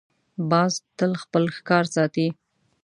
باز تل خپل ښکار ساتي